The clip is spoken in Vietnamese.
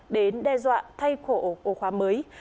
đến đe dọa thay khổ ổ khóa mới